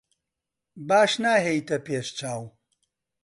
باش ناهێیتە پێش چاو.